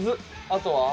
あとは？